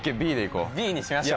Ｂにしましょう！